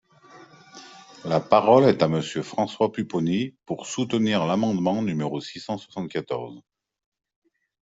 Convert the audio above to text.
La parole est à Monsieur François Pupponi, pour soutenir l’amendement numéro six cent soixante-quatorze.